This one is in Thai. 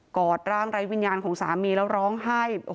กอดร่างรายวิญญาณของสามีแล้วร้องไห้โอ้โห